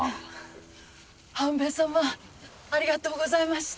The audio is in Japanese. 半兵衛様ありがとうございました。